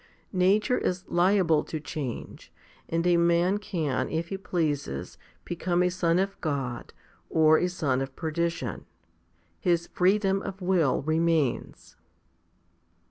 Nature is liable to change, and a man can, if he pleases, become a son of God or a son of perdition. His freedom of will remains.